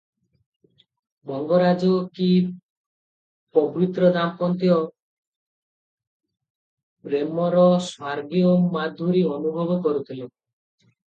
ମଙ୍ଗରାଜ କି ପବିତ୍ର ଦାମ୍ପତ୍ୟ ପ୍ରେମର ସ୍ୱର୍ଗୀୟମାଧୁରୀ ଅନୁଭବ କରୁଥିଲେ?